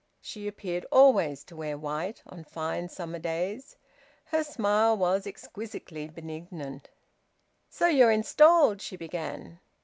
She appeared always to wear white on fine summer days. Her smile was exquisitely benignant. "So you're installed?" she began.